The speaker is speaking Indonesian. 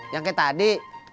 yang kayak tadi